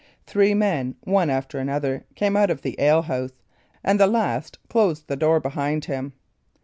Three men, one after another, came out of the ale house, and the last closed the door behind him.